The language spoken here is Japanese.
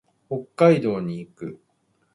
北海道に行く。